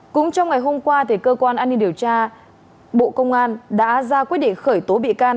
cũng trong ngày hôm qua cơ quan an ninh điều tra bộ công an đã ra quyết định khởi tố bị can